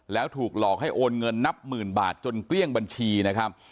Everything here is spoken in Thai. แล้วถูกหลอกให้โอนเงินนับหมื่นบาทจนเกลี้ยงบัญชีนะครับ